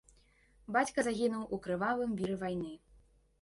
Бацька загінуў у крывавым віры вайны.